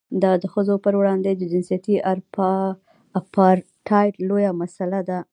دا د ښځو پر وړاندې د جنسیتي اپارټایډ لویه مسله ده.